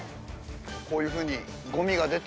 こういうふうに。